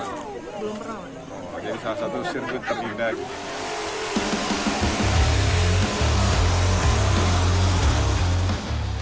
jadi salah satu sirkuit terindah